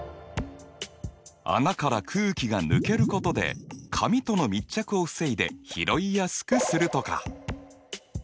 穴から空気が抜けることで紙との密着を防いで拾いやすくするとか？